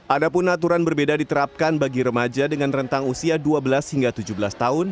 adapun aturan berbeda diterapkan bagi remaja dengan rentang usia dua belas hingga tujuh belas tahun